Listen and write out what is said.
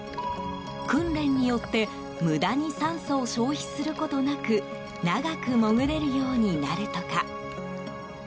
訓練によって無駄に酸素を消費することなく長く潜れるようになるとか。